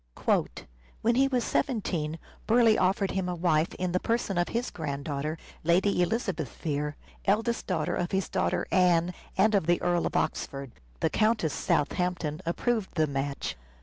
" When he was seventeen Burleigh offered him a wife in the person of his granddaughter, Lady Elizabeth Vere, eldest daughter of his daughter Anne and of the Earl of Oxford. The Countess Southampton approved the match.